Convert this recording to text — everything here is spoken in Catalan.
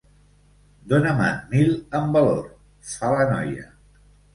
Dóna-me'n mil en valor —fa la noia.